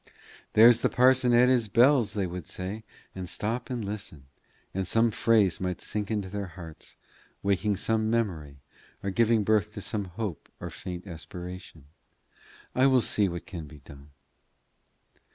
'There's the parson at his bells,' they would say, and stop and listen; and some phrase might sink into their hearts, waking some memory, or giving birth to some hope or faint aspiration. I will see what can be done."